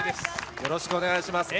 よろしくお願いします。